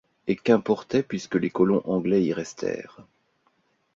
Et qu’importait puisque les colons anglais y restèrent?...